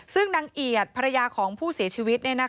ซึ่งนางเอียดภรรยาของผู้เสียชีวิต